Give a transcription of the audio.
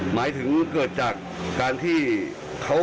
หมายถึงเกิดจากการที่เขา